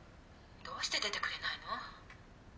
「どうして出てくれないの？」